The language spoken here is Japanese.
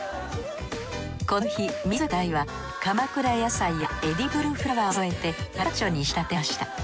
この日自ら獲ったマダイは鎌倉野菜やエディブルフラワーを添えてカルパッチョに仕立てました。